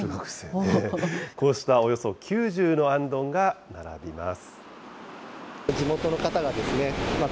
こうしたおよそ９０のあんどんが並びます。